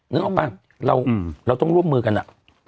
นึกออกป่ะเราต้องร่วมมือกันอะ